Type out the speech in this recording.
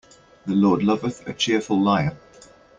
The Lord loveth a cheerful liar.